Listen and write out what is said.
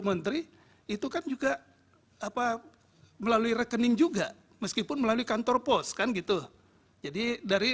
menteri itu kan juga apa melalui rekening juga meskipun melalui kantor pos kan gitu jadi dari